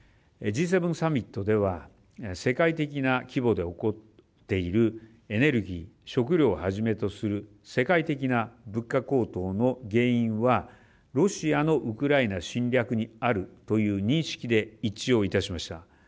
Ｇ７サミットでは世界的な規模で起こっているエネルギー、食料をはじめとする世界的な物価高騰の原因はロシアのウクライナ侵略にあるという認識で一致をいたしました。